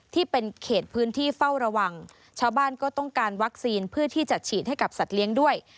ที่เป็นเขตพื้นที่เฝ้าระวังชาวบ้านก็ต้องการวัคซีนเพื่อที่จะฉีดให้กับสัตว์เลี้ยงด้วย